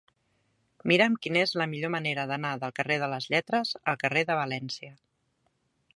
Mira'm quina és la millor manera d'anar del carrer de les Lletres al carrer de València.